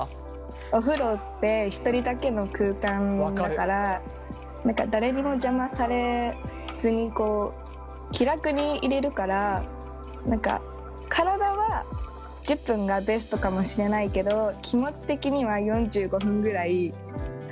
お風呂って一人だけの空間だから何か誰にも邪魔されずにこう気楽にいれるから何か体は１０分がベストかもしれないけど気持ち的には４５分ぐらい入ってたいんですけど。